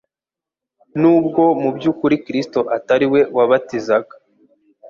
nubwo mu by'ukuri Kristo atari we wabatizaga,